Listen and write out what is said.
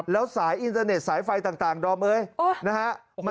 แล้วสายอินเตอร์เน็ตสายไฟต่างดอมเอ้ยนะฮะ